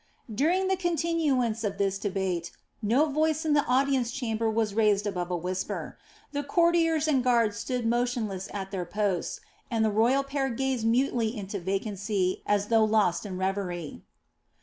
During the continuance of this debate no voice in the audience chamber was raised above a whisper; the courtiers and guards stood motionless at their posts, and the royal pair gazed mutely into vacancy as though lost in reverie.